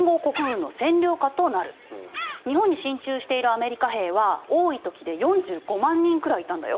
日本に進駐しているアメリカ兵は多い時で４５万人くらいいたんだよ。